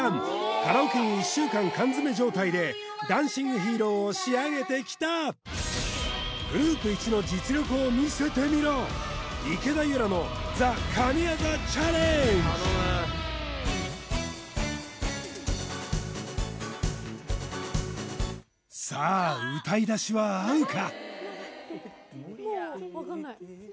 カラオケに１週間缶詰状態で「ダンシング・ヒーロー」を仕上げてきたグループイチの実力を見せてみろ頼むさあ歌い出しは合うか？